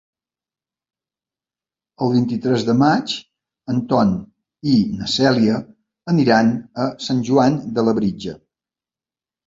El vint-i-tres de maig en Ton i na Cèlia aniran a Sant Joan de Labritja.